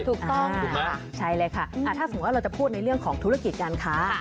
ถ้าเราจะพูดในเรื่องของธุรกิจการค้า